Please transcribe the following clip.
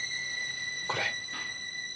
これ。